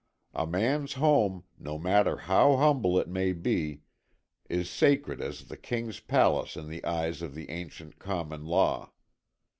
A man's home, no matter how humble it may be, is sacred as the King's palace in the eyes of the ancient common law.